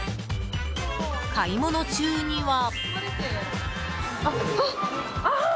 買い物中には。